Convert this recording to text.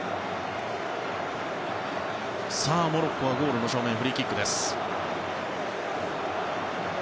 さあ、モロッコはゴール正面でのフリーキックです。